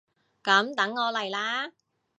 噉等我嚟喇！